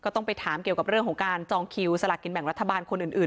ต้องไปถามเกี่ยวกับเรื่องของการจองคิวสละกินแบ่งรัฐบาลคนอื่น